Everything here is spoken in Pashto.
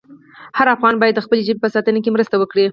هر افغان باید د خپلې ژبې په ساتنه کې مرسته وکړي.